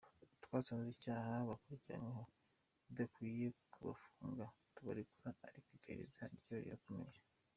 Twasanze icyaha bakurikiranyweho bidakwiye kubafunga turabarekura ariko iperereza ryo rirakomeje.